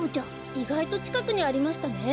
いがいとちかくにありましたね。